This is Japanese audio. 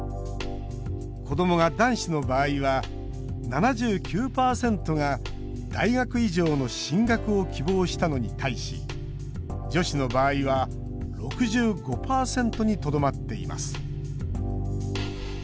子どもが男子の場合は７９％が大学以上の進学を希望したのに対し女子の場合は６５％にとどまっています。